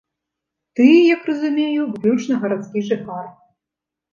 Ты, як разумею, выключна гарадскі жыхар.